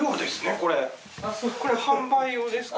これ販売用ですか？